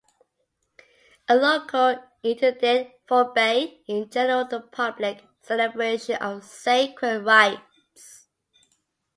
A local interdict forbade in general the public celebration of sacred rites.